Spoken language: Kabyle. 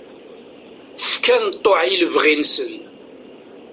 Fkan ṭṭuɛ i lebɣi-nsen.